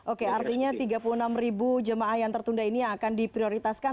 oke artinya tiga puluh enam jamaah yang tertunda ini akan diprioritaskan